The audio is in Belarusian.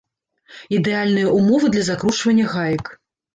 Ідэальныя ўмовы для закручвання гаек.